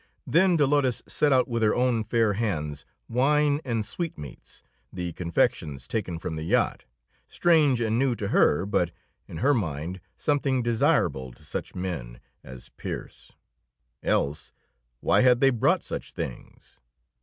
Then Dolores set out with her own fair hands wine and sweetmeats, the confections taken from the yacht, strange and new to her, but in her mind something desirable to such men as Pearse, else why had they brought such things?